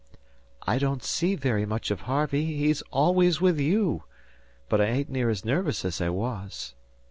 "I don't see very much of Harvey; he's always with you; but I ain't near as nervous as I was."